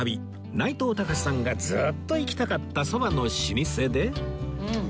内藤剛志さんがずっと行きたかった蕎麦の老舗で